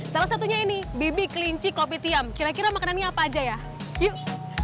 salah satunya ini bibi kelinci kopi tiam kira kira makanannya apa aja ya yuk